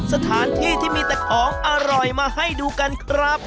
สถานที่ที่มีแต่ของอร่อยมาให้ดูกันครับ